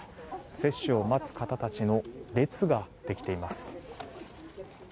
接種を待つ方たちの列ができています。